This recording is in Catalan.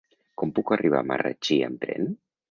Com puc arribar a Marratxí amb tren?